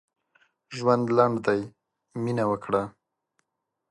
ژوند لنډ دی؛ مينه وکړه.